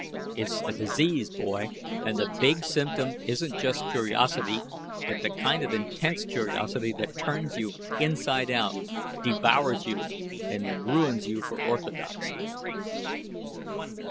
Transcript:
It's a disease, boy, and the big symptom isn't just curiosity, but the kind of intense curiosity that turns you inside out, devours you and ruins you for orthodoxy."